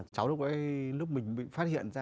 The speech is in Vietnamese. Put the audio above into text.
cháu lúc ấy lúc mình bị phát hiện ra